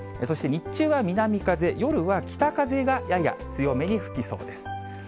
そして日中は南風、夜は北風がやや強めに吹きそうです。